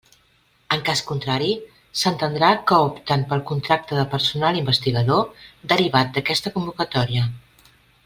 En cas contrari, s'entendrà que opten pel contracte de personal investigador derivat d'aquesta convocatòria.